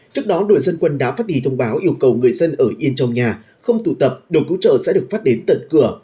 trước đó đội dân quân đã phát đi thông báo yêu cầu người dân ở yên trong nhà không tụ tập đồ cứu trợ sẽ được phát đến tận cửa